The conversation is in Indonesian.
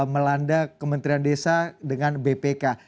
melanda kementerian desa dengan bpk